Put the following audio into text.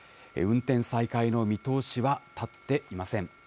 運転再開の見通しは立っていません。